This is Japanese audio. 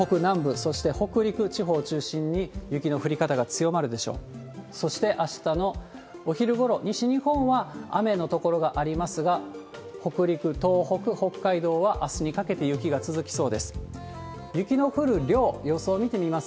そしてあしたのお昼ごろ、西日本は雨の所がありますが、北陸、東北、北海道は、あすにかけて雪が続きそうです。